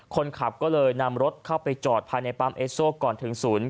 คนขับก็เลยนำรถเข้าไปจอดภายในปั๊มเอสโซก่อนถึงศูนย์